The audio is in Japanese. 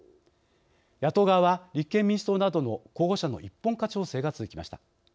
野党側は、立憲民主党などの候補者の一本化調整が続きました。